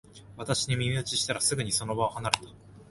私に耳打ちしたら、すぐにその場を離れた